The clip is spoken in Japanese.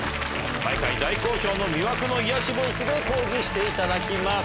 毎回大好評の魅惑の癒やしボイスで講義していただきます。